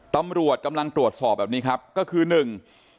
ตำรวจกำลังตรวจสอบแบบนี้ครับก็คือหนึ่ง